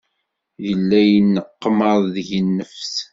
Yella yenneqmaḍ deg-i nnefs.